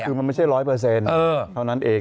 คือมันไม่ใช่๑๐๐เท่านั้นเอง